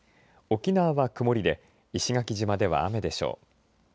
沖縄は曇りで石垣島では雨でしょう。